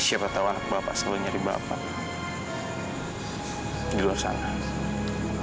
siapa tahu bapak selalu nyari bapak di luar sana